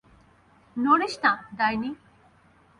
নড়িস না, ডাইনি!